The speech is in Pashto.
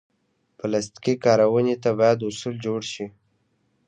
پلاستيکي کارونې ته باید اصول جوړ شي.